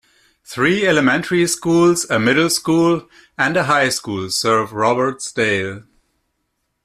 Three elementary schools, a middle school, and a high school serve Robertsdale.